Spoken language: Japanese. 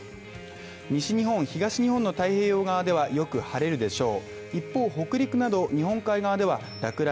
西日本東日本の太平洋側ではよく晴れるでしょう。